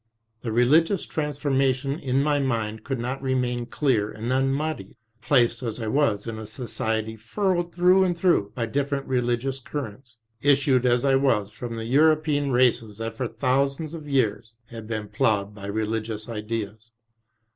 The religious transformation in my mind could not remain clear and unmuddied, placed as I was in a society furrowed through and through by different religious currents, issued as I was from the European races that for thousands of years had been ploughed by religious ideas.